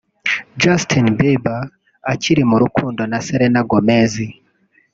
Justin Bieber akiri mu rukundo na Selena Gomez